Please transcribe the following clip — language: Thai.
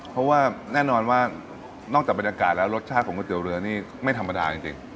เพราะว่าแน่นอนว่านอกจากบรรยากาศแล้วรสชาติของก๋วเตี๋เรือนี่ไม่ธรรมดาจริง